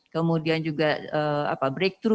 kemudian juga breakthrough berikutnya